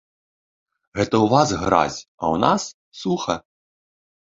Гэта ў вас гразь, а ў нас суха!